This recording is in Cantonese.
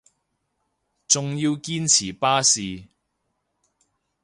仲要堅持巴士